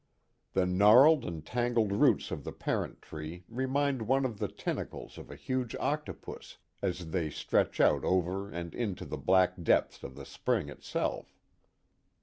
The gnarled and tangled roots of the parent tree remind one of the ten tacles of a huge octopus, as they stretch out over and into the black depths of the spring itself.